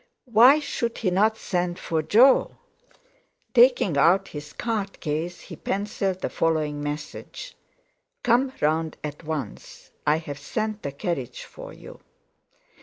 Why should he not send for Jo? Taking out his card case, he pencilled the following message: "Come round at once. I've sent the carriage for you."